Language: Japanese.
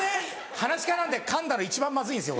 はなし家なんでかんだの一番まずいんですよ